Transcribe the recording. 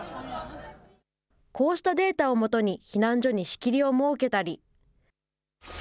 こうしたデータを基に避難所に仕切りを設けたり。